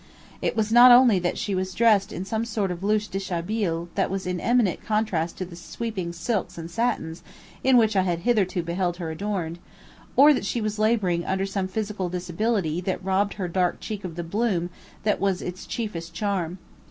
It was not only that she was dressed in some sort of loose dishabille that was in eminent contrast to the sweeping silks and satins in which I had hitherto beheld her adorned; or that she was laboring under some physical disability that robbed her dark cheek of the bloom that was its chiefest charm.